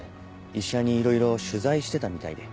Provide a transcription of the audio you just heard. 医者にいろいろ取材してたみたいで。